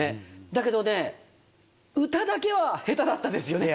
だけどね、歌だけは下手だったですよね。